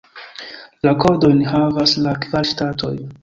La kodojn havas la kvar ŝtatoj.